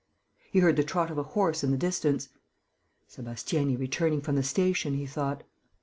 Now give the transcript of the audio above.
He heard the trot of a horse in the distance: "Sébastiani returning from the station," he thought.